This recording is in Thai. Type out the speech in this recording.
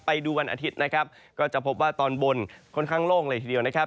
ไปดูวันอาทิตย์นะครับก็จะพบว่าตอนบนค่อนข้างโล่งเลยทีเดียวนะครับ